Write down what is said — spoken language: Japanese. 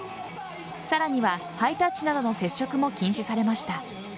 さらにはハイタッチなどの接触も禁止されました。